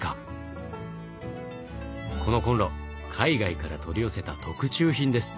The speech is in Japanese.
このコンロ海外から取り寄せた特注品です。